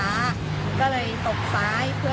เล่นแซงแล้วรถอยู่เทินมาเราก็เลยบิดแปลส่งสัญญาณเตือน